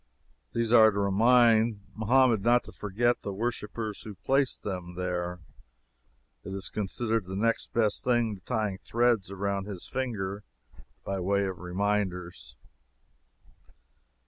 These are to remind Mahomet not to forget the worshipers who placed them there. It is considered the next best thing to tying threads around his finger by way of reminders.